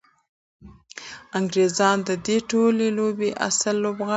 انګریزان د دې ټولې لوبې اصلي لوبغاړي وو.